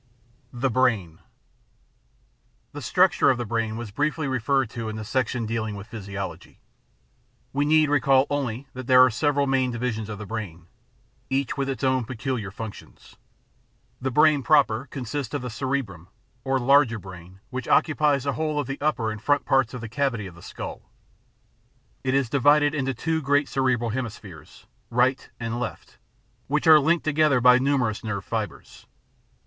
The Brain The structure of the brain was briefly referred to in the section dealing with physiology. We need recall only that there are several main divisions of the brain, each with its own peculiar functions. The brain proper consists of the cerebrum, or larger brain, which occupies the whole of the upper and front parts of the cavity of the skull. It is divided into two great cerebral hemispheres, right and left, which are linked together by numerous nerve fibres.